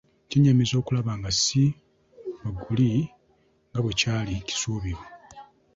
Kyennyamiza okulaba nga si bwe guli nga bwekyali kisuubirwa.